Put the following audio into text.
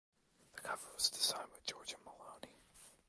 The cover was designed by Georgia Maloney.